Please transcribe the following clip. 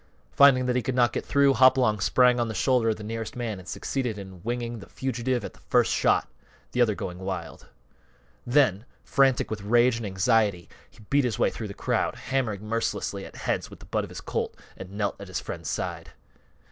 Finding that he could not get through, Hopalong sprang on the shoulder of the nearest man and succeeded in winging the fugitive at the first shot, the other going wild. Then, frantic with rage and anxiety, he beat his way through the crowd, hammering mercilessly at heads with the butt of his Colt, and knelt at his friend's side.